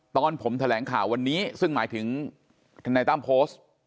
ตอนผมแถลงข่าววันนี้ซึ่งหมายถึงธนายตั้มโพสต์